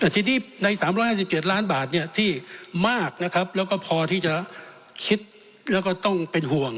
ทีนี้ใน๓๕๗ล้านบาทที่มากนะครับแล้วก็พอที่จะคิดแล้วก็ต้องเป็นห่วง